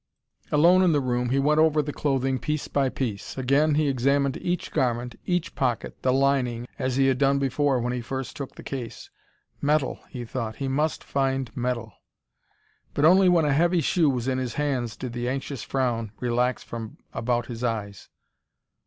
Alone in the room, he went over the clothing piece by piece. Again he examined each garment, each pocket, the lining, as he had done before when first he took the case. Metal, he thought, he must find metal. But only when a heavy shoe was in his hands did the anxious frown relax from about his eyes.